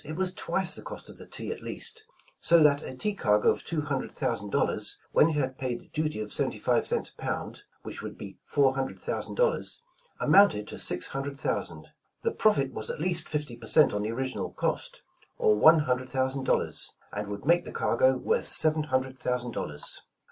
It was twice the cost of the tea at least; so that a tea cargo of two hundred thousand dollars, when it had paid duty of seventy five cents a pound, which would be four hun dred thousand dollars, amounted to six hundred thou sand. The profit was at least fifty per cent on the original cost, or one hundred thousand dollars, and would make the cargo worth seven hundred thousand dollars.